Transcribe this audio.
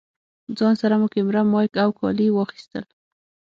ځان سره مو کېمره، مايک او کالي واخيستل.